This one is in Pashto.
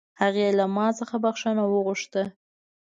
هغې له ما څخه بښنه وغوښته